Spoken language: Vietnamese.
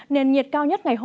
nền nhiệt cao nhất ngày hôm nay